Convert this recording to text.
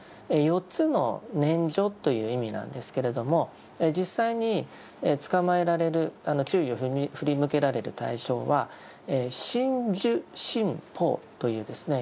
４つの念処という意味なんですけれども実際につかまえられる注意を振り向けられる対象は「身・受・心・法」というですね